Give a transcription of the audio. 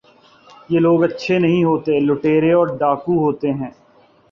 یہ لوگ اچھے نہیں ہوتے ، لٹیرے اور ڈاکو ہوتے ہیں ۔